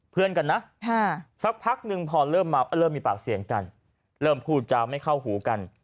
เพื่อนกันนะสักพักหนึ่งพอเริ่มมาเริ่มมีปากเสียงกันเริ่มพูดจาไม่เข้าหูกัน